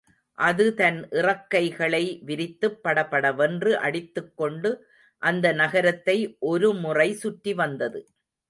அது தன் இறக்கைகளை விரித்துப் படபடவென்று அடித்துக் கொண்டு அந்த நகரத்தை ஒருமுறை சுற்றிவந்தது.